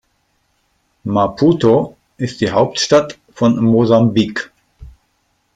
Maputo ist die Hauptstadt von Mosambik.